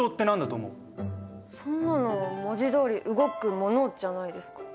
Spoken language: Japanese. そんなの文字どおり動くものじゃないですか？